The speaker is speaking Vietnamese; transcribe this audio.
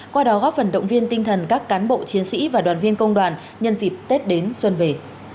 qua đó góp phần động viên tinh thần các cán bộ chiến sĩ và đoàn viên công đoàn nhân dịp tết đến xuân về